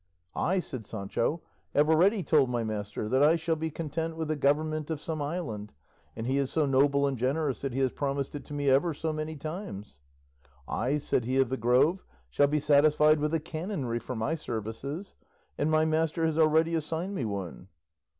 "I," said Sancho, "have already told my master that I shall be content with the government of some island, and he is so noble and generous that he has promised it to me ever so many times." "I," said he of the Grove, "shall be satisfied with a canonry for my services, and my master has already assigned me one."